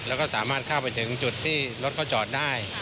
แล้วก็สามารถเข้าไปถึงจุดที่รถเขาจอดได้